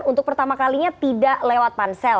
untuk pertama kalinya tidak lewat pansel